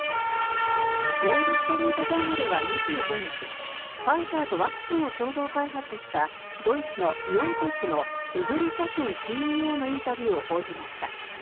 ウォール・ストリート・ジャーナルは２５日ファイザーとワクチンを共同開発したドイツのビオンテックのウグル・サヒンＣＥＯのインタビューを報じました。